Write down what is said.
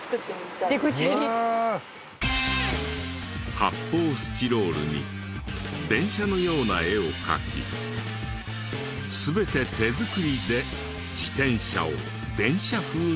発泡スチロールに電車のような絵を描き全て手作りで自転車を電車風に仕上げた。